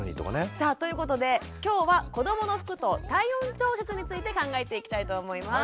さあということで今日は子どもの服と体温調節について考えていきたいと思います。